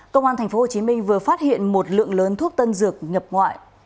công an tp hcm vừa phát hiện một lượng lớn thuốc tân dược nhập ngoại